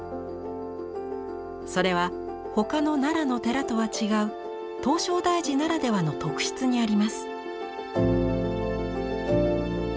それは他の奈良の寺とは違う唐招提寺ならではの特質にあります。